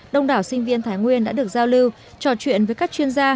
đông đảo sinh viên thái nguyên đã được giao lưu trò chuyện với các chuyên gia